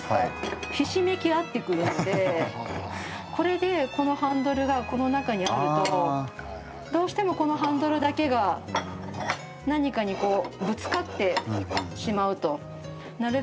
これでこのハンドルがこの中にあるとどうしても、このハンドルだけが何かにこう、ぶつかってしまうと。